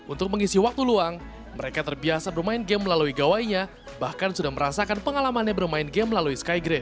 untuk mengisi waktu luang mereka terbiasa bermain game melalui gawainya bahkan sudah merasakan pengalamannya bermain game melalui skygrade